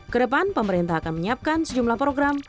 kedepan pemerintah akan menyiapkan sejumlah program